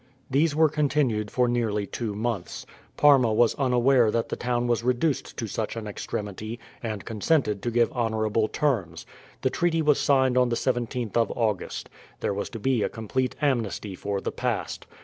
These were continued for nearly two months. Parma was unaware that the town was reduced to such an extremity, and consented to give honourable terms. The treaty was signed on the 17th of August. There was to be a complete amnesty for the past.